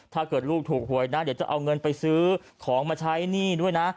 ถ้าเกิดลูกถูกหวยนะเดี๋ยวจะเอาเงินไปซื้อของมาใช้หนี้ด้วยนะ